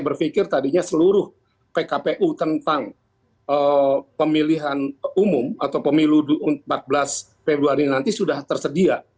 berpikir tadinya seluruh pkpu tentang pemilihan umum atau pemilu empat belas februari nanti sudah tersedia